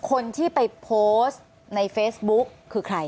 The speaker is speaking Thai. คนที่ไปโพสต์ในเฟซบุ๊กคือใคร